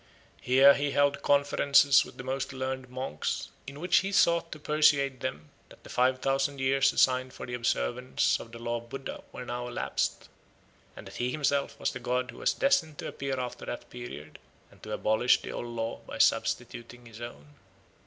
Here he held conferences with the most learned monks, in which he sought to persuade them that the five thousand years assigned for the observance of the law of Buddha were now elapsed, and that he himself was the god who was destined to appear after that period, and to abolish the old law by substituting his own.